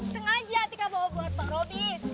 setengah aja atika bawa buat pak robi